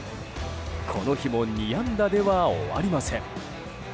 この日も２安打では終わりません。